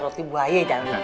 roti buah ye jangan lupa